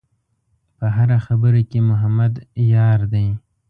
په هره خبره کې محمد یار دی.